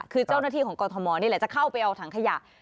คือเจ้าหน้าที่ของกรทมนี่แหละจะเข้าไปเอาถังขยะ